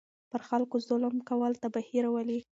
پر خلکو ظلم کول تباهي راولي.